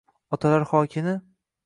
Otalar xokini